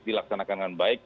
dilaksanakan dengan baik